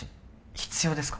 必要ですか？